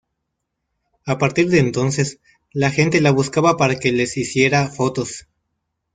A partir de entonces la gente la buscaba para que les hiciera fotos.